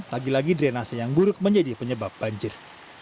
lagi lagi drenase yang buruk menjadi penyebab banjir